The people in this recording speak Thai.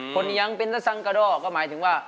คนยังเป็นนสังกระดอก็หมายถึงว่า